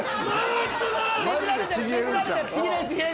マジでちぎれるんちゃう？